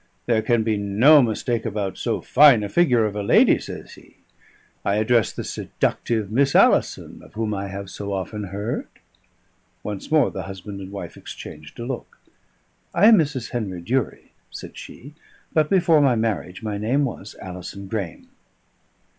"There can be no mistake about so fine a figure of a lady," says he. "I address the seductive Miss Alison, of whom I have so often heard?" Once more husband and wife exchanged a look. "I am Mrs. Henry Durie," said she; "but before my marriage my name was Alison Graeme."